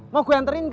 mau gue anterin gak